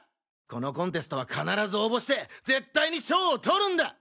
このコンテストは必ず応募して絶対に賞をとるんだ！